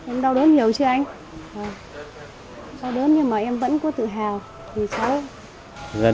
em đau đớn nhiều chưa anh